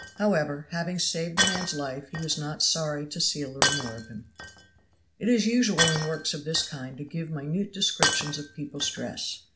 However, having saved the man's life, he was not sorry to see a little more of him. It is usual in works of this kind to give minute descriptions of people's dress.